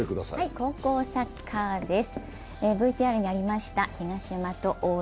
高校サッカーです。